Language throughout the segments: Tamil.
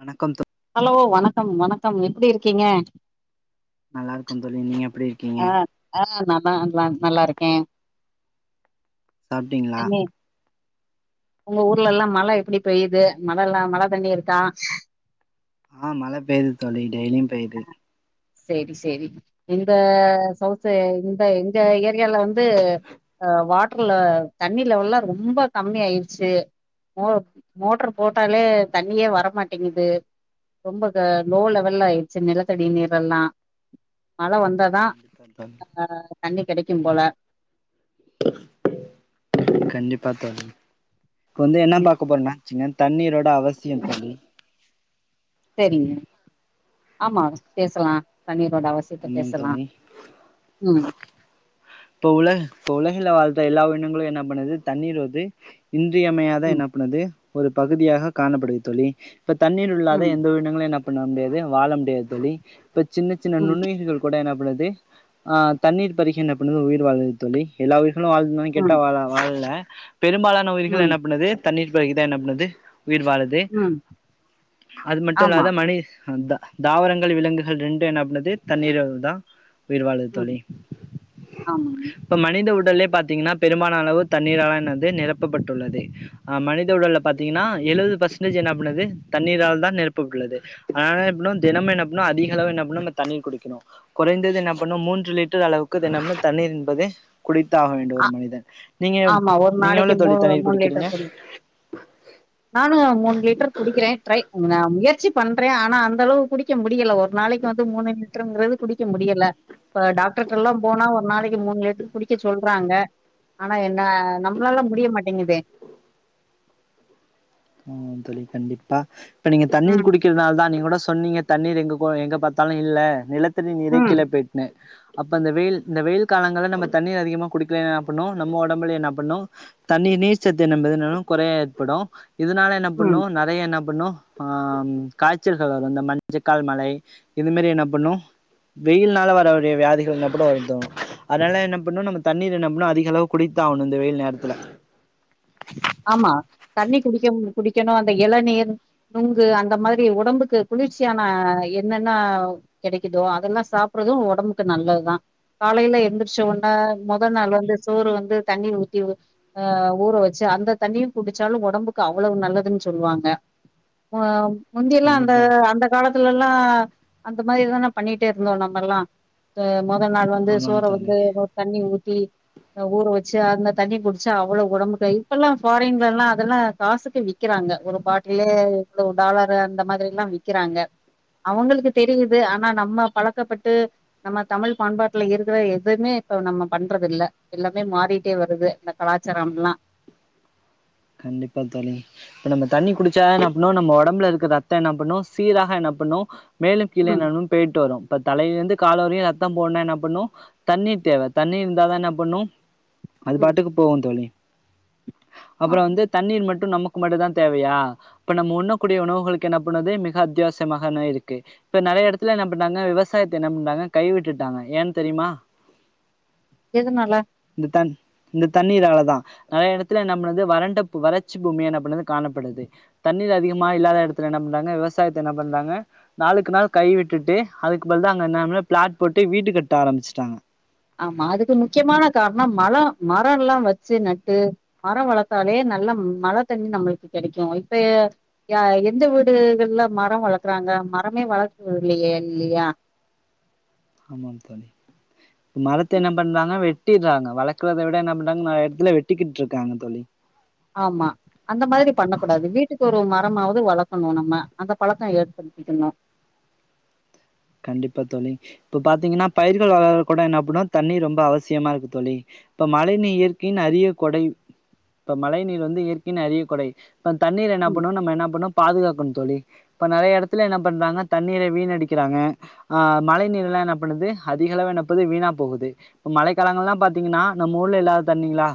வணக்கம் தோ ஹலோ வணக்கம் வணக்கம் எப்டி இருக்கீங்க நல்லா இருக்கோம் தோழி நீங்க எப்டி இருக்கீங்க ஆ ஆ நல்லா நல் நல்லா இருக்கே சாப்ட்டீங்களா என்னே உங்க ஊர்லல்லா மழ எப்டி பெய்யுது மழல்லா மழ தண்ணி இருக்கா ஆ பழ பெய்யிது தோழி டெய்லியு பெய்யிது சரி சரி இந்த சௌசு இந்த எங்க ஏரியால வந்து ஆ வாட்டர்ல தண்ணி லெவல்லா ரொம்ப கம்மி ஆயிர்ச்சு மோ மோட்டர் போட்டாலே தண்ணியே வரமாட்டேங்குது ரொம்ப க லோ லெவல்ல ஆய் சு நிலத்தடி நீரெல்லா மழ வந்தாதா அ தண்ணி கெடைக்கு போல கண்டிப்பா தோழி இப்ப வந்து என்ன ம் பாக்க போறோனா சுன்னா தண்ணீரோட அவசியோ தோழி சரிங்க ஆமா பேசலா தண்ணீரோட அவச் திருப்பி ஆமாங் பேசலா தோழி ம் இப்போ உள்ள போ உலகுல வாழ்ற எல்லா உயிரிணங்களு என்ன பண்ணுது தண்ணீர் வந்து இன்றியமையாத ம் என்ன பண்ணுது ஒரு பகுதியாக காணப்படுது தோழி இப்ப தண்ணீர் இல்லாத ம் எந்த உயி ரிணங்களு என்ன பண்ண முடியாது வாழ முடியாது தோழி இப்ப சின்ன சின்ன ம் நுண்ணுயிர்கள் கூட என்ன பண்ணுது ஆ தண்ணீர் பருகி என்ன பண்ணது உயிர் வாழுது தோழி எல்லா உயிர்களு வாழ் னோனு கெட்டா ம் வாழா வாழல பெரும்பாலான உயிர்கள் ம் என்னா பண்ணது தண்ணீர் பருகிதா என்ன பன்னுது உயிர் வாழு து ம் அது மட்டு ஆமா இல்லாத மணி அத்தா தாவரங்கள் விலங்குகள் ரெண்டு என்ன பன்னுது தண்ணீரோட தா உயிர் வாழுது தோழி ஆமா இப்போ மனித உடலே பாத்தீங்கன்னா பெரும்பால அளவு தண்ணீரால என்னது நிரப்பப்பட்டுள்ளது ஆ மனித உடல்ல பாத்தீங்கன்னா எழுவது பர்சன்டேஜ் என்னா பண்ணுது தண்ணீரால் தான் நெரப்ப உள்ளது அனால என்ன பன்னோ தெனமு என்ன பன்னோ அதிக அளவு என்னப்பன்னோ இந்த தண்ணீய குடிக்கணு குறைந்தது என்ன பண்ணு மூன்று லிட்டர் அளவுக்கு தெனமு தண்ணீர் என்பது குடித்து ஆக வேண்டும் அ ஒரு மனிதன் நீங்க எவ் ஆமா ஒரு நீங்க நாளைக்கு எவ்வளவு மூ தோழி தண்ணீர் மூணு லிட்டர் குடிக்கிறீங்க? குடி நானு மூணு லிட்டர் குடிக்கிறே ட்ரை நா முயற்சி பண்றே ஆனா அந்த அளவு குடிக்க முடியல ஒரு நாளைக்கு வந்து மூணு லிட்டருங்குறது குடிக்க முடியல இப்ப டாக்டர்ட்ட எல்லா போனா ஒரு நாளைக்கு மூணு லிட்டர் குடிக்கச் சொல்றாங்க ஆனா என்ன நம்மளாலா முடிய மாட்டேங்குதே ஆ தோழி கண்டிப்பா இப்ப நீங்க தண்ணீர் ம் குடிக்கிறதுனால தா நீங்க கூட சொன்னீங்க தண்ணீர் எங்க கோ எங்க பாத்தாலு இல்ல நிலத்தடி நீரே ம் கீழ போயிட்னு அப்ப இந்த வெயில் இந்த வெயில் காலங்கல்ல நம்ப தண்ணீர் அதிகமா குடிக்கலனா என்ன பண்ணு நம்ம ஒடம்புல என்ன பண்ணு தண்ணிர் நீர் சத்து என்னம்பதுனூ கொறைய ஏற்படு இதுனால என்ன ம். பண்ணு ந றைய என்ன பண்ணு ஆ காச்சல்கள் வரு இந்த மஞ்சக்கால் மலை இது மாரி என்ன பண்ணு வெயில்னால வரகூடிய வியாதிகள் என்ன பண்ணு [unintelligible] அதல்ல என்ன பண்ணொ நம்ம தண்ணீர் என்ன பண்ணொ அதிக அளவுக் குடித்தாவனு இந்த வெயில் நேரத்துல ஆமா தண்ணி குடிக்கம் குடிக்கணு அந்த எளநீர் நுங்கு அந்த மாரி ஒடம்புக்கு குளிர்ச்சியான என்னென்னா கெடைக்கிதோ அதெல்லா சாப்புறது ஒடம்புக்கு நல்லதுதா காலையில எந்திரிச்ச ஒட்னெ மொதல் நாள் வந்து சோறு வந்து தண்ணி ஊத்தி உ அ ஊற வெச்சு அந்த தண்ணியு குடிச்சாலு ஒடம்புக்கு அவ்வளவு நல்லதுன் சொல்வாங்க அ முந்தியெல்லா அந்த கண்டிப்பா அந்த காலத்துலெல்லா அந்த மாரிதான பண்ணிட்டே இருந்தோ நம்மெல்லா து மொத நாள் வந்து சோற ஆமாம் தோழி வந்து இது தண்ணி ஊத்தி ஊற வெச்சு அந்த தண்ணி குடிச்சா அவ்வளோ ஒடம்புக்கு இப்பல்லா ஃபாரின்லல்லா அதெல்லா காசுக்கு விக்கிறாங்க ஒரு பாட்டிலு இவ்ளோ டாலரு அந்த மாதிரில்லா வி க்கிறாங்க அவங்களுக்கு தெரிது ஆனா நம்ம பழக்கப்பட்டு நம்ம தமிழ் பண்பாட்ல இருக்குற எதுமே இப்ப நம்ம பண்றதில்ல எல்லாமே மாறிட்டே வருது இந்த கலாச்சாரம்ல்லா கண்டிப்பா தோழி ப்ப நம்ம தண்ணி குடிச்சா என்ன பண்ணு நம்ம ஒடம்பல இருக்க ரத்த என்ன பண்ணு சீராக என்ன பண்ணு மேலு கீழு ம் என்னனுன் போய்ட்டு வரு இப்ப தலைலேந்து காலு வரையு ரத்தம் போணுனா என்னா பண்ணு தண்ணீர் தேவ தண்ணி இருந்தாதா என்ன பண்ணு அது ம் பாட்டுக்கு போவு தோழி அப்றோ வந்து தண்ணீர் மட்டு நமக்கு மட்டு தா தேவயா இப்ப நம்ம உண்ணக்கூடிய உணவுகளுக்கு என்ன பண்ணது மிக அத்தியாவசியமாக என்னா இருக்கு இப்ப நெறய எடத்துல என்ன பண்ட்டாங்க விவசாயத்த என்ன பண்ட்டாங்க கைவிட்டுட்டாங்க ஏன் தெரிமா எதுனால இந்த தண் இந்த தண்ணீராலதா நெறய எடத்துல நம்ள இது வறண்ட பூ வறட்சி பூமி என்னா பண்ணுது காணப்படுது தண்ணீர் அதிகமா இல்லாத எடத்துல என்ன பண்றாங்க விவசாயத்த என்ன பண்றாங்க நாளுக்கு நாள் கை விட்டுட்டு அதுக்கு பதில்லா அங்க எல்லாமே பிளாட் போட்டு வீடு கட்ட ஆரம்பிச்சுட்டாங்க ஆமா அதுக்கு முக்கியமான கார்ணோ மலொ மரோல்லா வச்சு நட்டு மரொ வளர்த்தாலே நல்ல மழ தண்ணி நம்ளுக்கு கெடைக்கு இப்பய யா எந்த வீடுகள்ல மரோ வளர்க்குறாங்க மரமே வளர்க்கர்தில்லியே இல்லியா ஆமாம் தோழி மரத்த என்ன பண்றாங்க வெட்டிட்றாங்க வளக்கறத விட என்ன பண்றாங்க நறைய எடத்துல வெட்டிக்கிட்ருக்காங்க தோழி ஆமா அந்த மாதிரி பண்ணக்கூடாது வீட்டுக்கு ஒரு மரமாவுது வளக்கணு நம்ம அந்த பழக்கோ ஏற்படுத்திக்கணு கண்டிப்பா தோழி இப்ப பாத்தீங்ன்னா பயிர்கள் வளர்ற கூட என்ன பண்ணு தண்ணி ரொம்ப அவசியமாருக்கு தோழி இப்ப மழைநீர் இயற்கையின் அரிய கொடை இப்ப மழை நீர் வந்து இயற்கையின் அரிய கொடை அப்றோ தண்ணீர் என்ன ம் பண்ணு நம்ம என்ன பண்ணு பாதுகாக்கணு தோழி இப்ப நெறய எடத்துல என்ன பண்றாங்க தண்ணீர வீணடிக்கிறாங்க ஆ மழை நீர்லா என்ன பண்ணுது அதிகளவு என்னப்பது வீணா போகுது மழை காலங்கள்லா பாத்தீங்கன்னா நம்மஊர்ல இல்லாத தண்ணீங்களா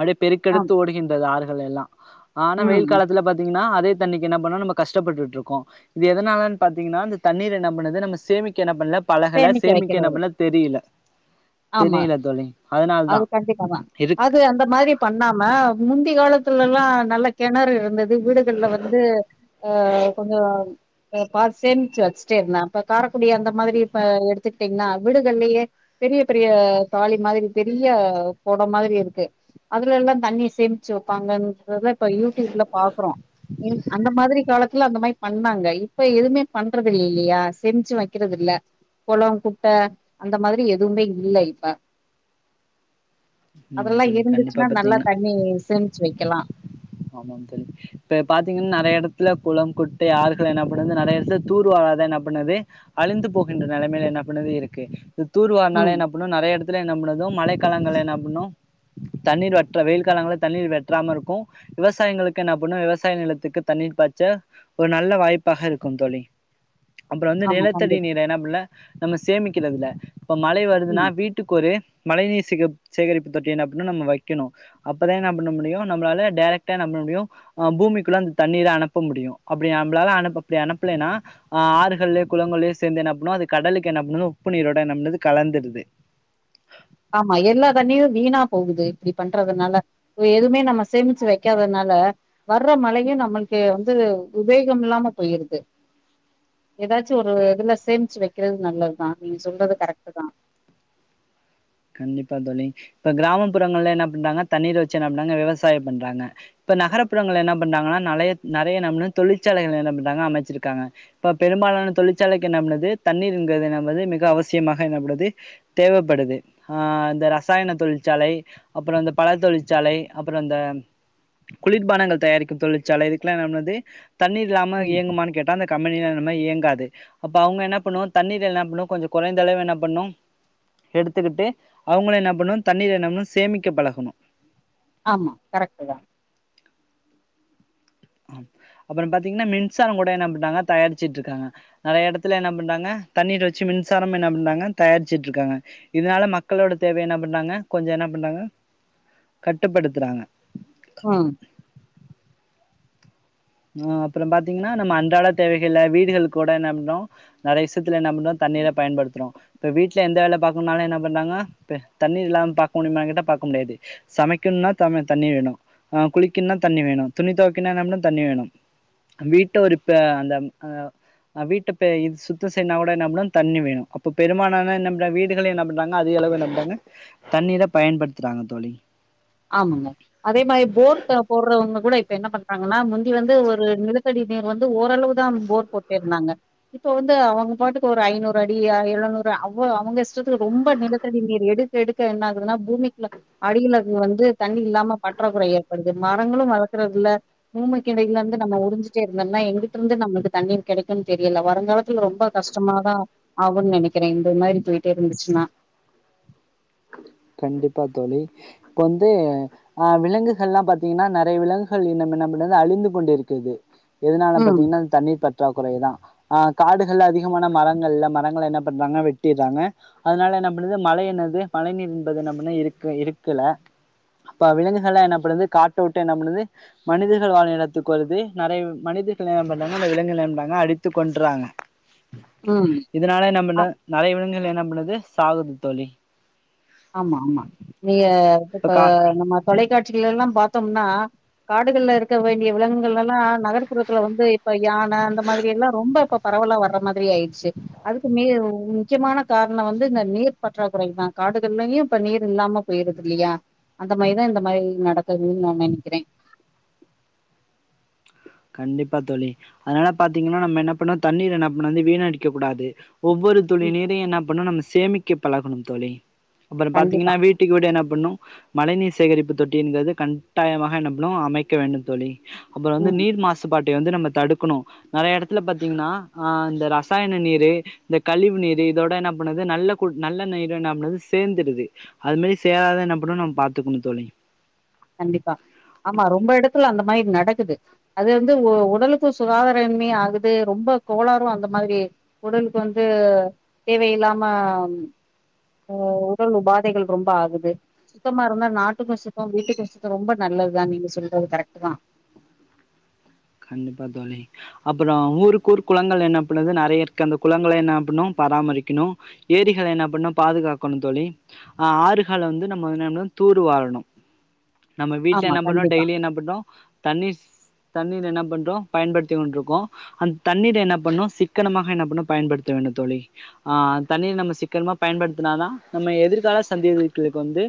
அப்டியே ஆம் பெருக்கெடுத்து ஓடுகின்றது ஆறுகள் எல்லா ஆனா வெயில் ம் காலத்துல பாத்தீங்கன்னா அதே தண்ணிக்கு என்ன பண்ணோ நம்ம கஷ்டப்பட்டுட்ருக்கோ இது எதனாலன் பாத்தீங்கன்னா அந்த தண்ணீர் என்ன பண்ணு து நம்ம சேமிக்க என்ன பண்ல பழகல சேமிக்க என்ன பண்ல தெரில்ல ஆமா அது கண்டிப்பா தா இருக்கு அது அந்த மாரி பண்ணாம முந்தி காலத்துலல்லா நல்ல கெணறு உள்ளது வீடுகள்ல வந்து ஆ கொஞ்சோ ஆ பார் சேமிச்சு வச்சுட்டே இருந்தாங் இப்ப காரக்குடி அந்த மாத்ரி இப்ப எடுத்துக்கிட்டீங்ன்னா வீடுகள்லயே பெரிய பெரிய தாலி மாதிரி பெரிய பொடம் மாதிரி இருக்கு அதுல எல்லா தண்ணிய சேமிச்சு வப்பாங்கன்றத இப்ப யூடியூப்ல பாக்குறோ அந்த மாதிரி காலத்துல அந்த மாரி பண்ணாங்க இப்ப எதுமே பண்றது இல்ல இல்லியா சேமிச்சு வெக்கிறது இல்ல கொளோம் குட்ட அந்த மாதிரி எதுமே இல்ல இப்ப ஆமாம் அதல்லா தோழி கண்டிப்பா இருந்துச்சுன்னா நல்லா பாத்தீங்கன்னா தண்ணி சேமிச்சு வக்கலா ஆமாம் தோழி இப்ப பாத்தீங்கன்னா நறைய எடத்துல குளம் குட்டை ஆறுகள் என்ன பண்ணுது நறைய எடத்துல தூர்வாராத என்ன பண்ணுது அழிந்து போகின்ற நெலமைல என்ன பண்ணுது இருக்கு இத தூர்வார்னாலே ம் என்ன இன்னு நறைய எடத்துல என்ன பண்றது மழ காலங்கள்ல என்ன பண்ணு தண்ணீர் வட்ற வெயில் காலங்கள்ல தண்ணீர் வெட்றாம இருக்கு விவசாயங்களுக்கு என்ன பண்ணு விவசாய நிலத்துக்கு தண்ணீர் பாச்ச ஒரு நல்ல வாய்ப்பாக இருக்கு தோழி அப்புறோ வந்து ஆமா நிலத்தடி கண்டிப்பா நீர என்னா பண்ல நம்ப சேமிக்கில்ல அதுல இப்ப மழை ம் வருதுனா வீட் டுக் ஒரு மழைநீர் சேக சேகரிப்பு தொட்டி என்னா பண்ணு நம்ம வெக்கணு அப்பதா என்ன பண்ண முடியு நம்மளால டேரக்டா நம்மளுடையு ஆ பூமிக்குள்ள அந்த தண்ணீர அனுப்ப முடியு அப்டி நம்ளால அனுப் அப்டி அனுப்லனா ஆ ஆறுகள்லயோ குலங்கள்லயோ சேந்து என்ன பண்ணு அது கடலுக்கு என்ன பண்ணு உப்பு நீரோட என்ன பண்ணுது கலந்துடுது ஆமா எல்லா தண்ணியு வீணா போகுது இப்டி பண்றதுனால இப்போ எதுமே நம்ம சேமிச்சு வெக்காதனால வர்ற மழய நம்முள்க்கு வந்து உபேகம் இல்லாம போயிருது ஏதாச்சு ஒரு இதுல சேமிச்சு வெக்கறது நல்லத்தா நீங்க சொல்றது கரெக்ட்டுதா கண்டிப்பா தோழி இப்ப கிராமப்புறங்கள்ல என்ன பண்றாங்க தண்ணீர் வெச்சு என்ன பண்றாங்க விவசாயோ பண்றாங்க இப்ப நகரப்புறங்கல என்ன பண்றாங்கனா நறைய நறைய நம்ம தொழிற்சாலைகல என்ன பண்றாங்க அமச்சிருக்காங்க இப்ப பெரும்பாலான தொழிற்சாலைக்கு என்ன பண்ணுது தண்ணீருங்கறது என்னது மிக அவசியமாக என்னப்பணுது தேவப்படுது ஆ இந்த ரசாயன தொழிற்சாலை அப்புறோ அந்த பழ தொழிற்சாலை அப்புறோ அந்த குளிர்பானங்கள் தயாரிக்கு தொழிற்சாலை இதுக்கெல்லா என்னா பண்ணுது தண்ணீர் இல்லாம ம் இயங்குமானு கேட் டா அந்த கம்பெனிலா அந்தமாரி இயங்காது அப்ப அவுங்க என்ன பண்ணுவாங்க தண்ணீர் என்ன பண்ணு கொஞ்சோ குறைந்த அளவு என்ன பண்ணு எடுத்துக்குட்டு அவுங்களு என்ன பண்ணு தண்ணீர் என்ன பண்ணு சேமிக்க பழகணு ஆமா கரெக்ட்டுதா ஆ அப்புறோ பாத்தீங்கனா மின்சாரோ கூட என்ன பண்றாங்க தயாரிச்சுட்ருக்காங்க நறைய எடத்துல என்ன பண்றாங்க தண்ணீர் வெச்சு மின்சாரம் என்ன பண்றாங்க தயாரிச்சுட்ருக்காங்க இதனால மக்களோட தேவைய என்ன பண்றாங்க கொஞ்சோ என்ன பண்றாங்க கட்டுப்படுத்துறாங்க ம் ஆ அப்புறோ பாத்தீங்கனா நம்ம அன்றாட தேவைகள வீடுகளுக்கூட என்ன பண்றோ நறைய விஷயத்துல என்ன பண்றோ தண்ணீர்ர பயன்படுத்தறோ இப்ப வீட்ல எந்த வேல பாக்கணுனாலு என்ன பண்றாங்க இப்ப தண்ணீர் இல்லாமா பாக்க முடியுமா கேட்ட பாக்க முடியாது சமைக்கணுனா தமு தண்ணி வேணு ஆ குளிக்கணுனா தண்ணி வேணு துணி துவக்கினா என்ன பண்ணு தண்ணி வேணு வீட்ட ஒருப்ப அந்த ஆ வீட்ட இப்ப இது சுத்தோ செய்னா கூட என்ன பண்ணு தண்ணி வேணு அப்ப பெருமானான என்ன பண்றாங் வீட் டுகள்ல என்ன பண்றாங்க அதிக அளவு என்ன பண்றாங்க தண்ணீர பயன்படுத்துறாங்க தோழி ஆமாங்க அதேமாரி போர் போட்றவங்க கூட இப்ப என்ன பண்றாங்கனா முந்தி வந்து ஒரு நிலத்தடி நீர் வந்து ஓ ரளவுதா போர் போட்டுருந்தாங்க இப்போ வந்து அவங்க பாட்டுக்கு ஒரு ஐநூறு அடி எழுநூறு அவ அவுங்க இஷ்டத்துக்கு ரொம்ப நிலத்தடி நீர் எடு க்க எடுக்க என்ன ஆகுதுன்னா பூமிக்கு அடியில இது வந்து தண்ணி இல்லாம பற்றாக்குறை ஏற்படுது மரங்களு வளக்கறது இல்ல பூமிக்கிடைலருந்து நம்ம உறிஞ்சுட்டே இருந்தம்னா எங்கிட்ருந்து நம்ளுக்கு தண்ணீர் கெடைக்குன் தெரியல வருங்காலத்துல ரொம்ப கஷ்டமாதா ஆகுன் நெனைக்குறே இந்த மாரி போய்ட்டுருந்துச்சுனா கண்டிப்பா தோழி இப்ப வந்து ஆ விலங்குகள்லா பாத்தீங்கனா நறைய விலங்குகள் என்ன என்ன பண்ணுது அழிந்து கொண்டிருக்கிறது எதுனால ம், பாத்தீங்கனா இந்த தண்ணீர் பற்றாக்குறைதா ஆ காடுகள்ல அதிகமான மரங்கள்ல மரங்கள என்ன பண்றாங்க வெட்டிறாங்க அதனால என்ன பண்ணுது மழை என்னது மழை நீர் என்பது நம்மன இருக்க இருக்கல அப்ப விலங்குகள்லா என்ன பண்ணுது காட்ட வுட்டு என்ன பண்ணுது மனிதர்கள் வாழு இடத்துக்கு வருது நறைய மனிதர்கள [unintelligible] விலங்குகள [unintelligible] அடித்து கொண்றாங்க ம் இதனால நம்என்ன நெறைய விலங்குகள் என்ன பண்ணுது சாகுது தோழி ஆமா ஆமா நீங்க இப்ப நம்ம தொலைக்காட்சிகள்லல்லா பாத்தோம்னா காடுகள்ல இருக்க வேண்டிய விலங்குகளெல்லா நகர்ப்புறத்துல வந்து இப்ப யான அந்த மாதிரியெல்லா ரொம்ப இப்ப பரவலா வர்ற மாதிரி ஆய்ர்ச்சு அதுக்குமேவ் முக்கியமான கார்ணோ வந்து இந்த நீர் பற்றாக்குறைதா காடு க்கள்ளையு இப்ப நீர் இல்லாம போய்ருது இல்லியா அந்த மாரிதா இந்த மாரி நடக்குதுன்னு நா நெனைக்கிறே கண்டிப்பா தோழி அதனால பாத்தீங்கன்னா நம்ம என்ன பண்ணூ தண்ணீர என்ன பண்ண வந்து வீணடிக்க கூடாது ஒவ்வொரு துளி ம் நீரையு என்ன பண்ணணு நம்ம சேமிக்க பழகணும் தோழி அப்பறோ கண்டிப்பா பாத்தீங்கன்னா வீட் டுக்கு வீடு என்னா பண்ணு மழை நீீர் சேகரிப்பு தொட்டீன்றது கட்டாயமாக என்னப்பனூ அமைக்க வேண்டுந் தோழி அப்புறோ வந்து ம் நீர் மாசுபாட்டை வந்து நம்ம தடுக்ணு நறைய எடத்துல பாத்தீங்ன்னா அ இந்த ரசாயன நீரு இந்த கழிவு நீரு இதோட என்ன பண்ணுது நல்ல குட் நல்ல நீரு என்ன பண்ணுது சேர்ந்துருது அது மேரி சேராத என்ன பண்ணு நம் பாத்துக்குணு தோழி கண்டிப்பா ஆமா ரொம்ப எடத்துல அந்த மாரி நடக்குது அது வந்து உ உடலுக்கு சுகாதாரமே ஆகுது ரொம்ப கோளாரூ அந்த மாதிரி உடலுக்கு வந்து தேவையில்லாம அ உடல் உபாதைகள் ரொம்ப ஆகுது சுத்தமாருந்தா நாட்டுக்கூ சுத்தோ வீட்டுக் சுத்தோ ரொம்ப நல்லது தா நீங்க சொல்றது கரெக்ட்டுதா கண்டிப்பா தோழி அப்பறோ ஊருக்குஊர் குளங்கள் என்ன பண்ணுது நெறைய இருக்கு அந்த குளங்கள என்ன பண்ணு பராமரிக்ணு ஏரிகள என்ன பண்ணு பாதுகாக்கணு தோழி அ ஆறுகள வந்து நம்ம வந்து என்ன பண்ணு தூரு வாரணு நம்ம வீட்ல ஆமா என்ன பண்றோ கண்டிப்பா டெய்லி என்ன பண்றோ தண்ணீ தண்ணீர் ந்து என்ன பண்றோ பயன்படுத்தி கொண்ருக்கோ அந் தண்ணீர் என்ன பண்ணு சிக்கனமாக என்ன பண்ணு பயன்படுத்த வேண்டு தோழி ஆ தண்ணீர் நம்ம சிக்கனமா பயன்படுத்துனாதா நம்ம எதிர்கால சந்தேதிகளுக் வந்து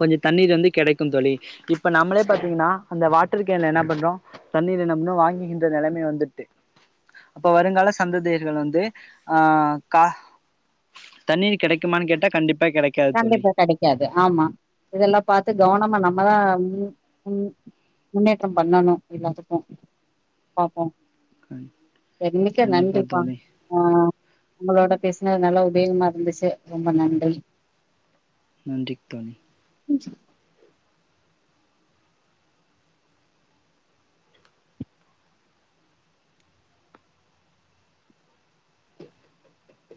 கொஞ்சோ தண்ணீர் வந்து கெடைக்குந் தோழி இப்ப நாமளே பாத்தீங்கன்னா அந்த வாட்டர் கேன்ல என்ன பண்றோ தண்ணீரு என்ன பண்ணோ வாங்குகின்ற நெலமயே வந்துட்டு அப்ப வருங்கால சந்ததியர்கள் வந்து ஆ கா தண்ணீர் கெடைக்குமான்னு கேட்டா கண்டிப்பா கெடைக் கண்டிப்பா கெடைக்காது ஆமா இதெல்லா பாத்து கவனமா நம்மதா ம் ம் முன்னேற்றம் பண்ணனு எல்லாத்துக்கூ பாப்போ என்னைக்கு கண்டிப்பா நன்றிப்பா தோழி ஆ உங்களோட பேச்னது நல்ல உபயோகமா இருந்துச்சு ரொம்ப நன்றி நன்றித் தோழி ம்ச்